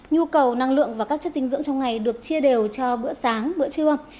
nhu cầu năng lượng và các chất dinh dưỡng trong ngày được chia đều cho bữa sáng bữa trưa